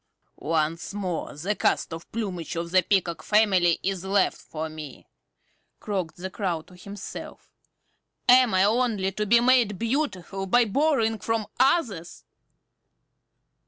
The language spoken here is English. "Once more the cast off plumage of the Peacock family is left for me!" croaked the Crow to himself. "Am I only to be made beautiful by borrowing from others?